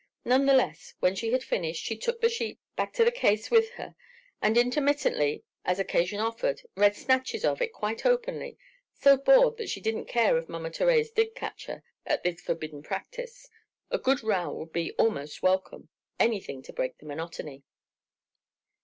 None the less, when she had finished, she took the sheet back to the caisse with her and intermittently, as occasion offered, read snatches of it quite openly, so bored that she didn't care if Mama Thérèse did catch her at this forbidden practice; a good row would be almost welcome ... anything to break the monotony....